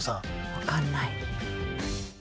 分かんない。